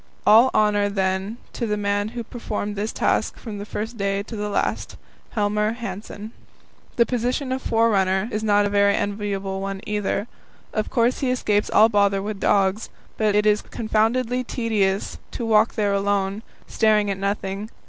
All honour, then, to the man who performed this task from the first day to the last Helmer Hanssen. The position of the "forerunner" is not a very enviable one either. Of course he escapes all bother with dogs, but it is confoundedly tedious to walk there alone, staring at nothing.